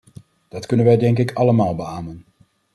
Dat kunnen wij denk ik allemaal beamen.